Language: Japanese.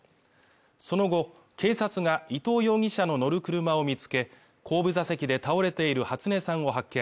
その後警察が伊藤容疑者の乗る車を見つけ後部座席で倒れている初音さんを発見